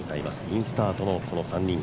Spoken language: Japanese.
インスタートのこの３人。